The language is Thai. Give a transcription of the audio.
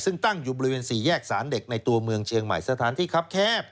ซึ่งตั้งอยู่บริเวณสี่แยกสารเด็กในตัวเมืองเชียงใหม่สถานที่ครับแคบ